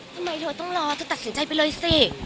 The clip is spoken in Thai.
ทำไมเธอต้องรอเธอตัดสินใจไปเลยสิ